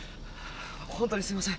ホントにすいません。